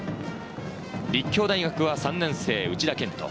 立教大学は３年生・内田賢利。